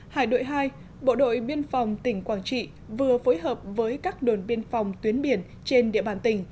hải đội hai bộ đội biên phòng tỉnh quảng trị vừa phối hợp với các đồn biên phòng tuyến biển trên địa bàn tỉnh